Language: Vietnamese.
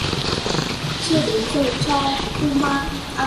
chưa đến giờ cho Kamen ăn